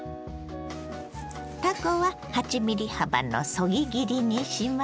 たこは８ｍｍ幅のそぎ切りにします。